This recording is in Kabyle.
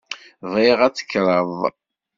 Bɣiɣ ad tekkreḍ.